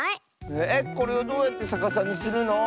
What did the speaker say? えっこれをどうやってさかさにするの？